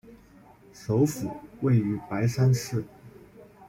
首府位于白山市。